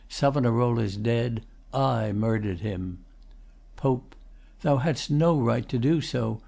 Savonarola's dead. I murder'd him. POPE Thou hadst no right to do so.